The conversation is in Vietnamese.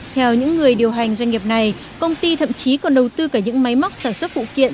theo những người điều hành doanh nghiệp này công ty thậm chí còn đầu tư cả những máy móc sản xuất phụ kiện